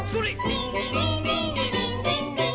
「リンリリンリンリリンリンリン」